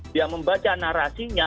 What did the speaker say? dia membaca narasinya